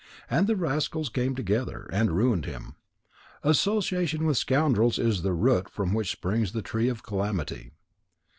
And the rascals came together, and ruined him. Association with scoundrels is the root from which springs the tree of calamity.